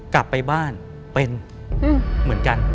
กลับไปบ้านเป็นเหมือนกัน